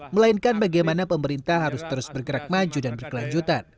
melainkan bagaimana pemerintah harus terus bergerak maju dan berkelanjutan